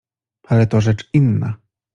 "Ale to rzecz inna."